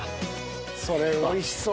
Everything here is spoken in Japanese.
それおいしそう。